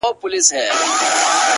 زه خپله مينه ټولومه له جهانه څخه’